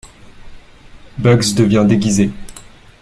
Bugs revient déguisé.